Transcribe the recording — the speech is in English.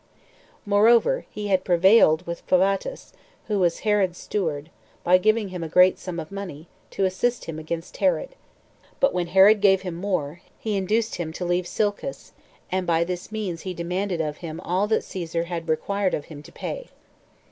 Moreover, he had prevailed with Phabatus, who was Herod's steward, by giving him a great sum of money, to assist him against Herod; but when Herod gave him more, he induced him to leave Sylleus, and by this means he demanded of him all that Caesar had required of him to pay.